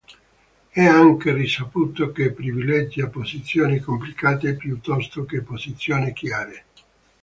È anche risaputo che privilegia posizioni complicate piuttosto che posizioni chiare.